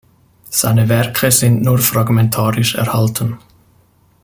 Seine Werke sind nur fragmentarisch erhalten.